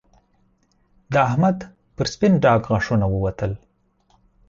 د احمد پر سپين ډاګ غاښونه ووتل